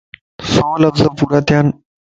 سو لفظ پورا ٿيانَ